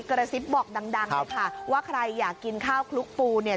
กระซิบบอกดังเลยค่ะว่าใครอยากกินข้าวคลุกปูเนี่ย